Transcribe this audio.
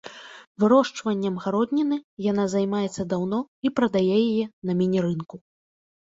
Вырошчваннем гародніны яна займаецца даўно і прадае яе на міні-рынку.